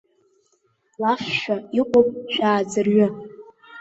Лафшәа иҟоуп, шәааӡырҩы.